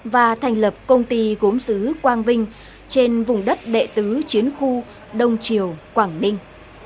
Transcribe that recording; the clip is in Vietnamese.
và thành lập công ty gốm xứ quang vinh trên vùng đất đại tứ chiến khu đông triều quảng ninh